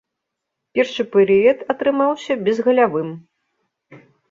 Першы перыяд атрымаўся безгалявым.